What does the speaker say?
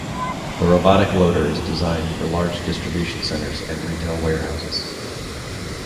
The robotic loader is designed for large distribution centers and retail warehouses.